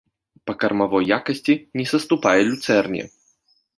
Па кармавой якасці не саступае люцэрне.